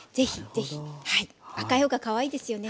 赤い方がかわいいですよね。